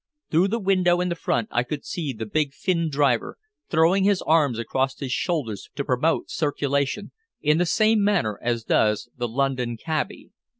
Through the window in front I could see the big Finn driver throwing his arms across his shoulders to promote circulation, in the same manner as does the London "cabby."